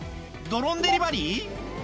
ドローンデリバリー？